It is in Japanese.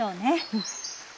うん。